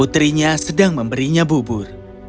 dia sedang memberinya bubur